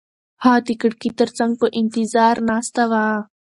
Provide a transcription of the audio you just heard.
هغه د کړکۍ تر څنګ په انتظار ناسته وه.